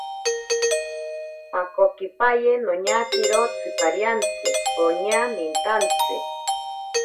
Pakokipaye noñakiro tsipariantsi poña nintantsi.